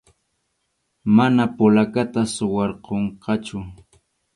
Mana polacata suwarqunqachu.